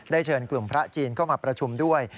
เชิญกลุ่มพระจีนเข้ามาประชุมด้วย